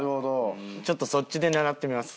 ちょっとそっちで狙ってみます。